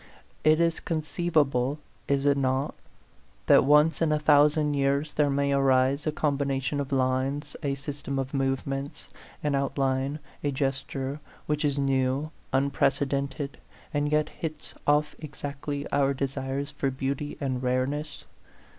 It is conceivable, is it not, that once in a thou sand years there may arise a combination of lines, a system of movements, an outline, a gesture, which is new, unprecedented, and yet hits off exactly our desires for beauty and rareness